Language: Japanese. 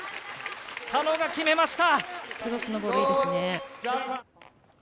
佐野が決めました！